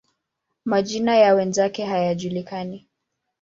Majina ya wenzake hayajulikani.